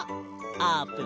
あーぷん！